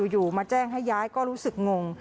อยู่มาแจ้งให้ย้ายก็รู้สึกงง